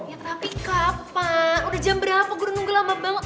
ya terapi kapan udah jam berapa gue nunggu lama banget